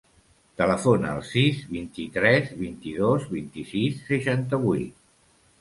Telefona al sis, vint-i-tres, vint-i-dos, vint-i-sis, seixanta-vuit.